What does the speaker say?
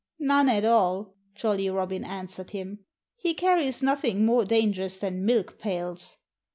"None at all!" Jolly Robin answered him. "He carries nothing more dangerous than milk pails."